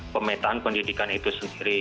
pemetaan pendidikan itu sendiri